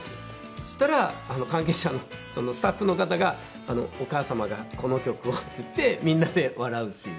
そしたら関係者のスタッフの方が「お母様がこの曲を」って言ってみんなで笑うっていう。